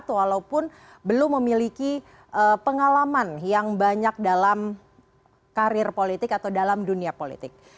walaupun belum memiliki pengalaman yang banyak dalam karir politik atau dalam dunia politik